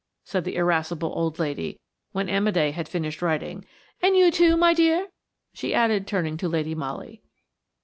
said the irascible old lady when Amédé had finished writing; "and you, too, my dear?" she added, turning to Lady Molly.